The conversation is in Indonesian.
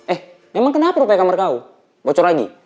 eh emang kenapa rupanya kamar kau bocor lagi